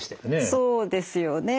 そうですよね。